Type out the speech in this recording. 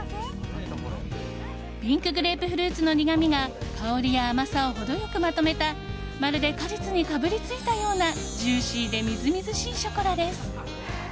ピンクグレープフルーツの苦みが香りや甘さをほど良くまとめたまるで果実にかぶりついたようなジューシーでみずみずしいショコラです。